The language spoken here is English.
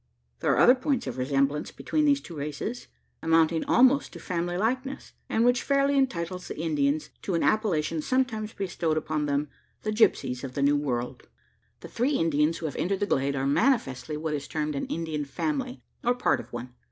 There are other points of resemblance between these two races amounting almost to family likeness and which fairly entitles the Indians to an appellation sometimes bestowed upon them the Gipsies of the New World. The three Indians who have entered the glade are manifestly what is termed an "Indian family" or part of one.